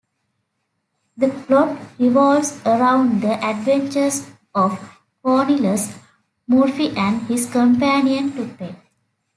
The plot revolves around the adventures of Cornelius Murphy and his companion Tuppe.